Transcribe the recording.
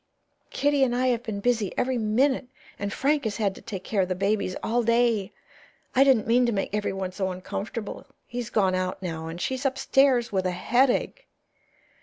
Kitty and I have been busy every minute, and Frank has had to take care of the babies all day. I didn't mean to make everyone so uncomfortable. He's gone out now, and she's upstairs with a headache."